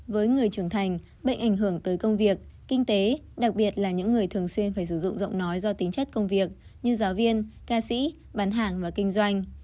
với người trưởng thành bệnh ảnh hưởng tới công việc kinh tế đặc biệt là những người thường xuyên phải sử dụng giọng nói do tính chất công việc như giáo viên ca sĩ bán hàng và kinh doanh